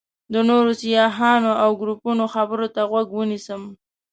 د نورو سیاحانو او ګروپونو خبرو ته غوږ ونیسم.